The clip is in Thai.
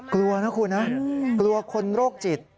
กลัวนะคุณนะกลัวคนโรคจิต